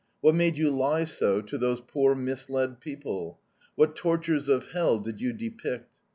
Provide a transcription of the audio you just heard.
'What made you lie so to those poor, misled people? What tortures of hell did you depict?